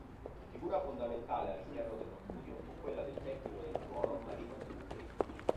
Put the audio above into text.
Figura fondamentale all'interno dello studio fu quella del Tecnico del Suono Marino Zuccheri.